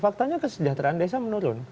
faktanya kesejahteraan desa menurun